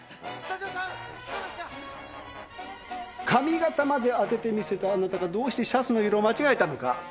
髪形まで当ててみせたあなたがどうしてシャツの色を間違えたのか。